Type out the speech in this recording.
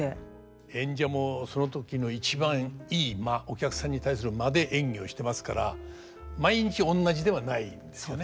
演者もその時の一番良い間お客さんに対する間で演技をしてますから毎日おんなじではないんですよね。